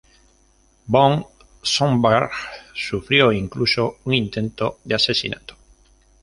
Von Schönberg sufrió incluso un intento de asesinato.